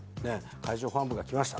海上保安部が来ました。